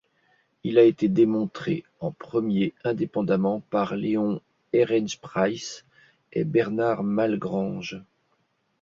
Il a été démontré en premier indépendamment par Leon Ehrenpreis et Bernard Malgrange.